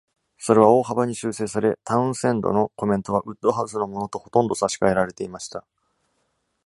それは大幅に修正され、タウンセンドのコメントはウッドハウスのものとほとんど差し替えられていました。